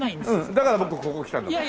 だから僕ここ来たんだもん。